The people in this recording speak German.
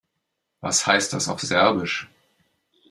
Was heißt das auf Serbisch?